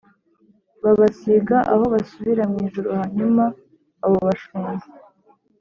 Babasiga aho basubira mu ijuru hanyuma abo bashumba